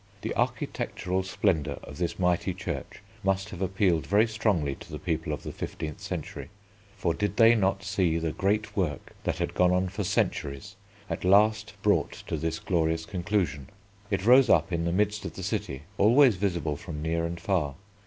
The architectural splendour of this mighty church must have appealed very strongly to the people of the fifteenth century, for did they not see the great work that had gone on for centuries at last brought to this glorious conclusion? It rose up in the midst of the city, always visible from near and far.